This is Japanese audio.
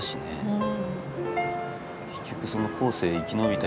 うん。